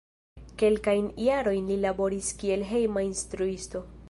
Kelkajn jarojn li laboris kiel hejma instruisto.